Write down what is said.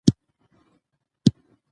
لوستې میندې د ماشوم ودې ته پام کوي.